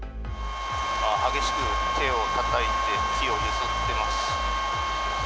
激しく手をたたいて、木を揺すってます。